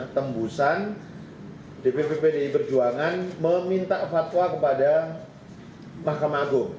tembusan dpp pdi perjuangan meminta fatwa kepada mahkamah agung